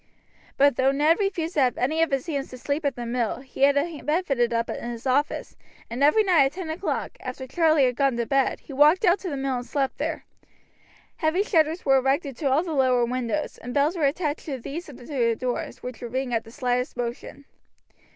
But though Ned refused to have any of his hands to sleep at the mill, he had a bed fitted up in his office, and every night at ten o'clock, after Charlie had gone to bed, he walked out to the mill and slept there: Heavy shutters were erected to all the lower windows, and bells were attached to these and to the doors, which would ring at the slightest motion.